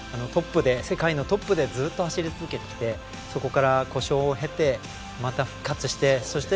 世界のトップでずっと走り続けてきてそこから故障を経てまた、復活してそして